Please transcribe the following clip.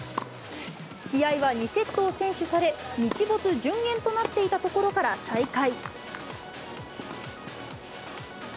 試合は２セットを先取され、日没順延となっていたところから再開。